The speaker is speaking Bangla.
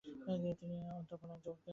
তিনি অধ্যাপনায় যোগ দেন।